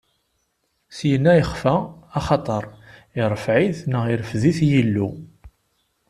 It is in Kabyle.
Syenna yexfa, axaṭer iṛfedɛ-it neɣ irfed-it Yillu.